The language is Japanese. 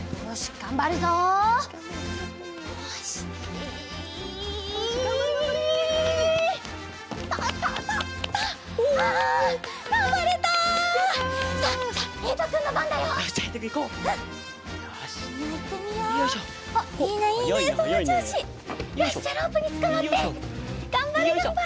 がんばれがんばれ！